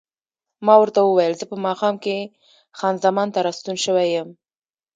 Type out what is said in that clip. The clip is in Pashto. ما ورته وویل: زه په ماښام کې خان زمان ته راستون شوی یم.